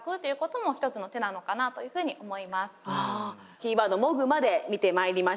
キーワードモグまで見てまいりました。